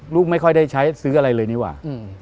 ไม่ค่อยได้ใช้ซื้ออะไรเลยนี่หว่า